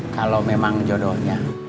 kalau memang jodohnya